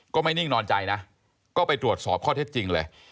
ไม่นิ่งนอนใจนะก็ไปตรวจสอบข้อเท็จจริงเลย